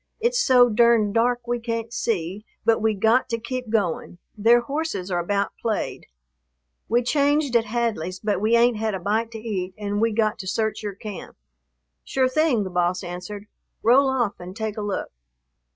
It's so durned dark we can't see, but we got to keep going; their horses are about played. We changed at Hadley's, but we ain't had a bite to eat and we got to search your camp." "Sure thing," the boss answered, "roll off and take a look.